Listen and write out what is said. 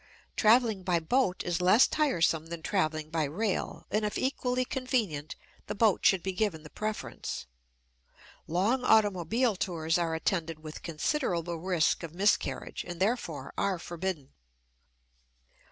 Traveling by boat is less tiresome than traveling by rail and, if equally convenient, the boat should be given the preference. Long automobile tours are attended with considerable risk of miscarriage and, therefore, are forbidden.